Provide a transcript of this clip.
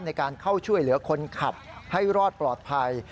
ในการเข้าช่วยเหลือคนขับให้รอดปลอดภัย